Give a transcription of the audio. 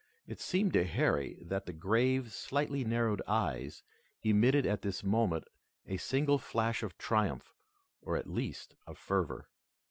It seemed to Harry that the grave, slightly narrowed eyes emitted at this moment a single flash of triumph or at least of fervor.